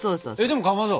でもかまど。